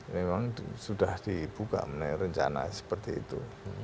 memang sudah dibuka rencana seperti itu